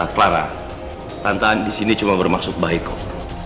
clara tante andis ini cuma bermaksud baik kok